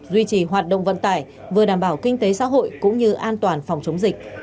duy trì hoạt động vận tải vừa đảm bảo kinh tế xã hội cũng như an toàn phòng chống dịch